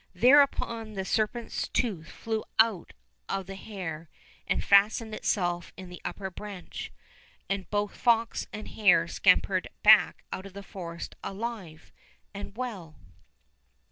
Thereupon the serpent's tooth flew out of the hare and fastened itself in the upper branch, and both fox and hare scampered back out of the forest alive and well.